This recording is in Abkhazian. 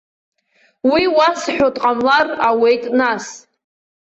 Уи уазҳәо дҟамлар ауеит нас.